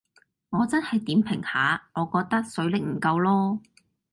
我真係點評下，我覺得水力唔夠囉